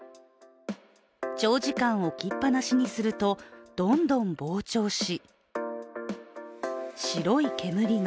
長時間置きっぱなしにすると、どんどん膨張し、白い煙が。